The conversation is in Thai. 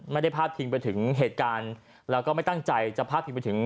พาดพิงไปถึงเหตุการณ์แล้วก็ไม่ตั้งใจจะพาดพิงไปถึง